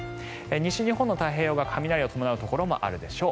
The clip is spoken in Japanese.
西日本の太平洋側雷を伴うところがあるでしょう。